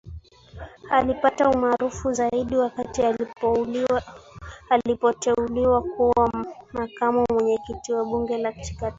Alipata umaarufu zaidi wakati alipoteuliwa kuwa Makamu Mwenyekiti wa Bunge la Katiba